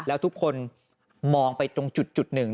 แล้วทุกคนมองไปตรงจุดหนึ่ง